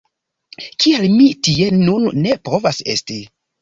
Kial mi tie nun ne povas esti?